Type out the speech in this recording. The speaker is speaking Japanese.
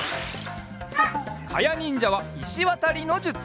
かやにんじゃはいしわたりのじゅつ。